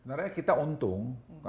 sebenarnya kita untung